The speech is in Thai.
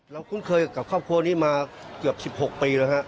คุ้นเคยกับครอบครัวนี้มาเกือบ๑๖ปีแล้วฮะ